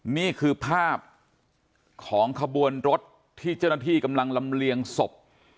นี่คือภาพของขบวนรถที่เจ้าหน้าที่กำลังลำเลียงศพ